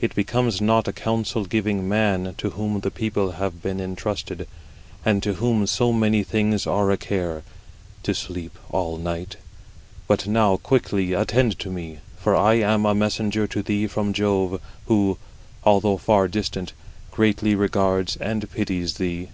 It becomes not a counsellor, to whom the people have been intrusted, and to whom so many things are a care, to sleep all the night. But now quickly attend to me; for I am a messenger to thee from Jove, who, although far distant, greatly regards and pities thee.